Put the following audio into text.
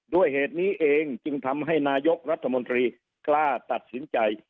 ด้วยเหตุนี้เองจึงทำให้นายกรัฐมนตรีกล้าตัดสินใจ